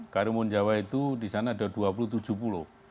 karimun jawa itu di sana ada dua puluh tujuh pulau